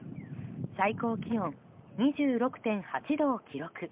最高気温２６．８度を記録。